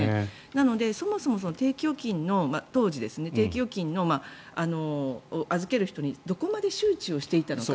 なので、そもそも当時、定期預金の預ける人にどこまで周知をしていたのか。